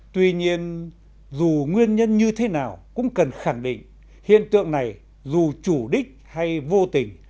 tuy nhiên dù nguyên nhân như thế nào cũng cần khẳng định hiện tượng này dù chủ đích hay vô tình